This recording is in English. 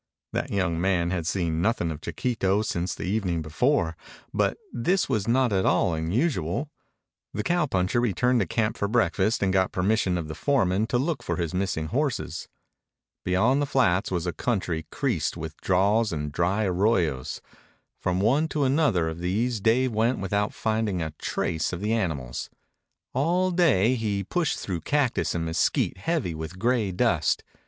That young man had seen nothing of Chiquito since the evening before, but this was not at all unusual. The cowpuncher returned to camp for breakfast and got permission of the foreman to look for the missing horses. Beyond the flats was a country creased with draws and dry arroyos. From one to another of these Dave went without finding a trace of the animals. All day he pushed through cactus and mesquite heavy with gray dust.